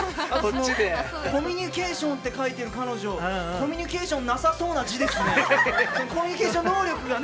コミュニケーションって書いてある彼女、コミュニケーションなさそうな字ですね。